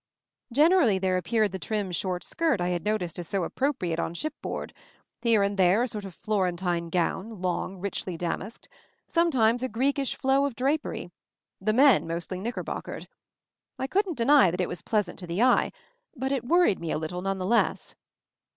Generally there appeared the trim short skirt I had noticed as so appropriate on ship board; here and there a sort of Florentine gown, long, richly damasked; sometimes a Greekish flow of drapery; the men mostly knickerbockered. I couldn't deny that it was pleasant to the eye, but it worried me a little none the less.